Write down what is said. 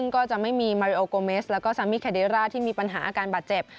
ก็จะไม่มีมาริโอโกเมสแล้วก็ซามิแคเดร่าที่มีปัญหาอาการบาดเจ็บ